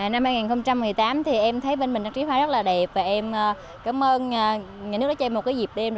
năm hai nghìn một mươi tám thì em thấy bên mình trang trí hoa rất là đẹp và em cảm ơn nhà nước đã cho em một dịp đêm